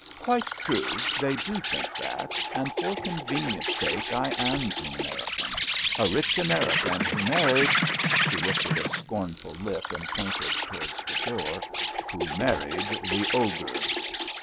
"Quite true—they do think that, and for convenience sake I am an American—a rich American who married"—she lifted a scornful lip and pointed towards the door—"who married the Ogre."